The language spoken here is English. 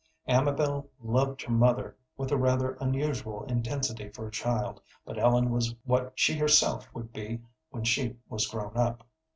Amabel loved her mother with a rather unusual intensity for a child, but Ellen was what she herself would be when she was grown up.